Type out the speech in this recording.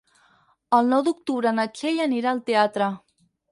El nou d'octubre na Txell anirà al teatre.